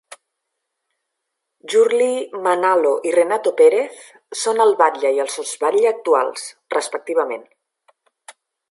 Jurly Manalo i Renato Perez són el batlle i el sotsbatlle actuals, respectivament.